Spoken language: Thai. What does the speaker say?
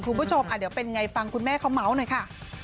คุณผู้ชมเดี๋ยวเป็นไงฟังคุณแม่เขาเมาส์หน่อยค่ะ